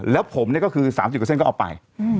แล้วผมเนี่ยก็คือ๓๐กว่าเส้นก็เอาไป